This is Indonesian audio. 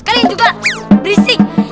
kalian juga berisik